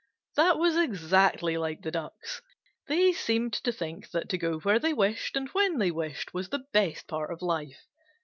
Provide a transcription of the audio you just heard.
That was exactly like the Ducks. They seemed to think that to go where they wished and when they wished was the best part of life.